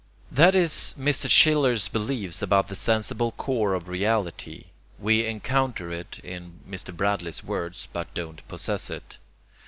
That is Mr. Schiller's belief about the sensible core of reality. We 'encounter' it (in Mr. Bradley's words) but don't possess it.